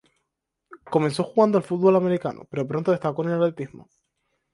Comenzó jugando al fútbol americano, pero pronto destacó en el atletismo.